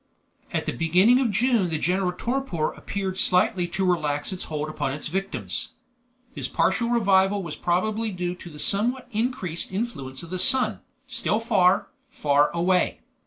At the beginning of June the general torpor appeared slightly to relax its hold upon its victims. This partial revival was probably due to the somewhat increased influence of the sun, still far, far away.